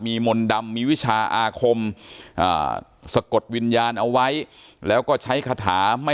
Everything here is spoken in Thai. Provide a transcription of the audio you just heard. มีมนต์ดำมีวิชาอาคมสะกดวิญญาณเอาไว้แล้วก็ใช้คาถาไม่